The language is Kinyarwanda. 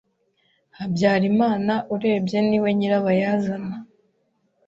Habyarimana urebye niwe nyirabayazana